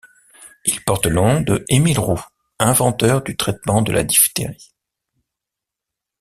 Il porte le nom de Émile Roux, inventeur du traitement de la diphtérie.